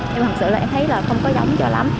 nhưng mà thật sự là em thấy là không có giống cho lắm